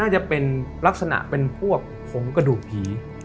จะเป็นลักษณะเป็นพวกผงกระดูกผี